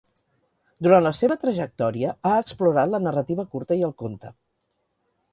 Durant la seva trajectòria ha explorat la narrativa curta i el conte.